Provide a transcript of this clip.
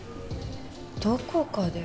どこかで。